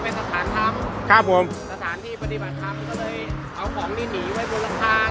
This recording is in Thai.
เป็นสถานทำครับผมสถานที่ปฏิบัติธรรมก็เลยเอาของนี่หนีไว้บนหลังคา